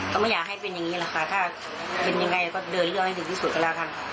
ก็ไม่อยากให้เป็นอย่างนี้แหละค่ะถ้าเป็นยังไงก็เดินเรื่องให้ถึงที่สุดก็แล้วกัน